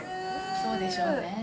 そうでしょうね。